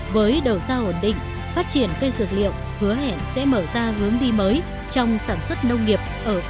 với đầu sao ổn định phát triển cây sược liệu hứa hẹn sẽ mở ra hướng đi mới trong sản xuất nông nghiệp ở bắc cản